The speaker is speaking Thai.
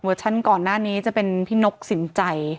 ก่อนหน้านี้จะเป็นพี่นกสินใจ